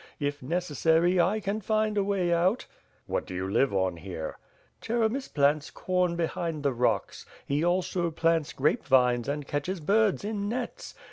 If necessary I can find a way out." "What do you live on here?" "Cheremis plants corn behind the rocks. He also plants grape vines and catches birds in nets.